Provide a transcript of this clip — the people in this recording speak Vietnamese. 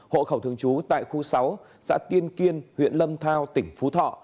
hộ khẩu thường trú tại khu sáu xã tiên kiên huyện lâm thao tỉnh phú thọ